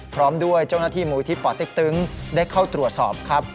พร้อมด้วยเจ้าหน้าที่มูลที่ป่อเต็กตึงได้เข้าตรวจสอบครับ